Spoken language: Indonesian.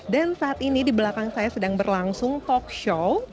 dan saat ini di belakang saya sedang berlangsung talkshow